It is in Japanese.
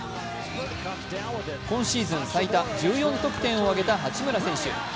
今シーズン最多１４得点を上げた八村塁選手。